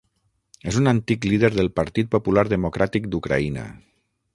És un antic líder del Partit Popular Democràtic d'Ucraïna.